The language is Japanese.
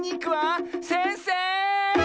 せんせい！